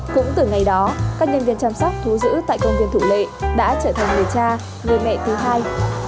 cũng từ ngày đó các nhân viên chăm sóc thú giữ tại công viên thủ lệ đã trở thành người cha người mẹ thứ hai